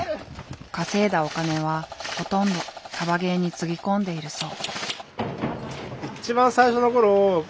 稼いだお金はほとんどサバゲーにつぎ込んでいるそう。